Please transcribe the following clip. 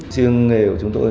chương nghề của chúng tôi